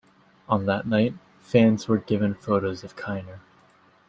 On that night, fans were given photos of Kiner.